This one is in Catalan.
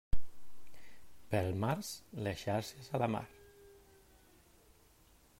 Pel març, les xarxes a la mar.